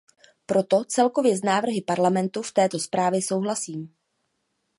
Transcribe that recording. Proto celkově s návrhy Parlamentu v této zprávě souhlasím.